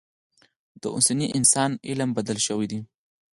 د اوسني انسان علم بدل شوی دی.